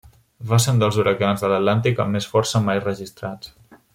Va ser un dels huracans de l'Atlàntic amb més força mai registrats.